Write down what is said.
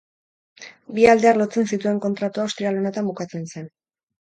Bi aldeak lotzen zituen kontratua ostiral honetan bukatzen zen.